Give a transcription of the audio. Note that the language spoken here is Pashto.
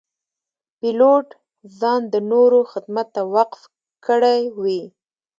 پیلوټ ځان د نورو خدمت ته وقف کړی وي.